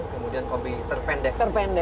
kemudian kompi terpendek